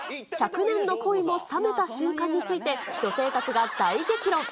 １００年の恋も冷めた瞬間について、女性たちが大激論。